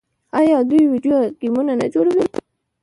آیا دوی ویډیو ګیمونه نه جوړوي؟